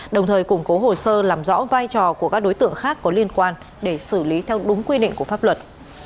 đồng thời củng cố hồ sơ làm rõ vai trò của các đối tượng khác có liên quan để xử lý theo đúng quy định của pháp luật